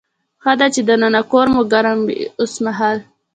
ښه ده چې دننه کور مو ګرم وي اوسمهال.